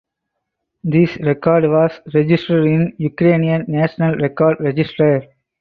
This record was registered in Ukrainian National Record Register.